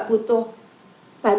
nicu du siapa ke